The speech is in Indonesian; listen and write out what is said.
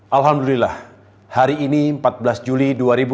alhamdulillah hari ini empat belas juli dua ribu dua puluh